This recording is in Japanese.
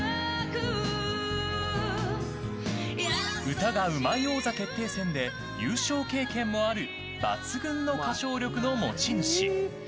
「歌がうまい王座決定戦」で優勝経験もある抜群の歌唱力の持ち主。